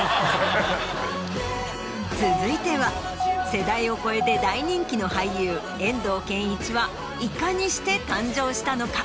続いては世代を超えて大人気の俳優・遠藤憲一はいかにして誕生したのか？